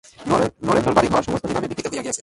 নরেন্দ্রের বাড়িঘর সমস্ত নিলামে বিক্রীত হইয়া গিয়াছে।